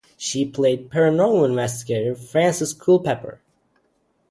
She played paranormal investigator Frances Culpepper.